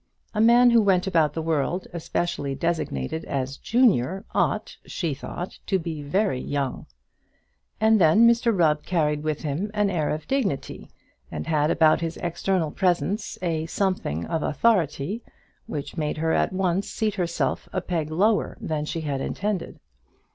A man who went about the world especially designated as junior, ought, she thought, to be very young. And then Mr Rubb carried with him an air of dignity, and had about his external presence a something of authority which made her at once seat herself a peg lower than she had intended.